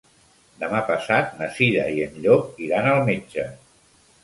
Demà passat na Cira i en Llop iran al metge.